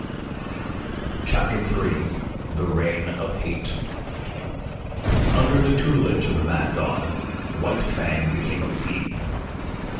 CHAPTER III THE REIGN OF HATE Under the tutelage of the mad god, White Fang became a fiend.